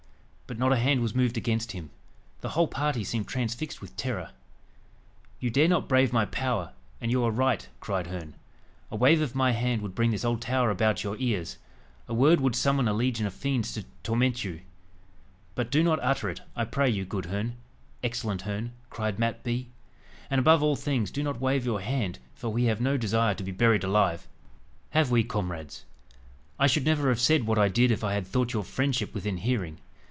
But not a hand was moved against him. The whole party seemed transfixed with terror. "You dare not brave my power, and you are right," cried Herne "a wave of my hand would bring this old tower about your ears a word would summon a legion of fiends to torment you." "But do not utter it, I pray you, good Herne excellent Herne," cried Mat Bee. "And, above all things, do not wave your hand, for we have no desire to be buried alive, have we, comrades? I should never have said what I did if I had thought your friendship within hearing."